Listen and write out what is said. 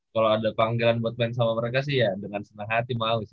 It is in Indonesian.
kalau ada panggilan buat main sama mereka sih ya dengan senang hati mau sih